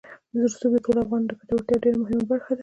رسوب د ټولو افغانانو د ګټورتیا یوه ډېره مهمه برخه ده.